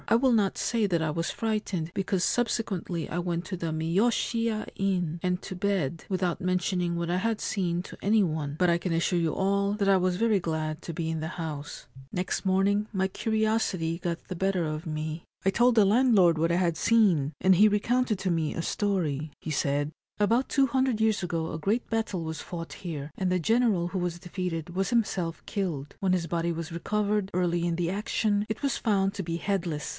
I will not say that I was frightened, because subsequently I went to the Miyoshiya inn, and to bed, without mentioning what I had seen to any one ; but I can assure you all that I was very glad to be in the house. Next morning 313 40 Ancient Tales and Folklore of Japan my curiosity got the better of me. I told the landlord what I had seen, and he recounted to me a story. He said :" About 200 years ago a great battle was fought here, and the general who was defeated was himself killed. When his body was recovered, early in the action, it was found to be headless.